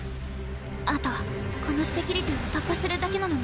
あとこのセキュリティーを突破するだけなのに。